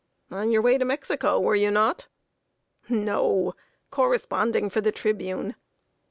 "On your way to Mexico, were you not?" "No; corresponding for The Tribune."